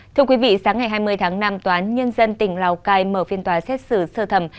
thưa quý vị sáng ngày hai mươi tháng năm tòa án nhân dân tỉnh lào cai mở phiên tòa xét xử sơ thẩm